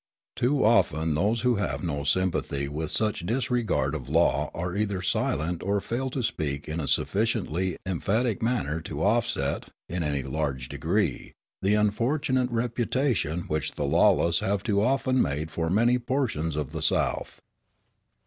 Too often those who have no sympathy with such disregard of law are either silent or fail to speak in a sufficiently emphatic manner to offset, in any large degree, the unfortunate reputation which the lawless have too often made for many portions of the South.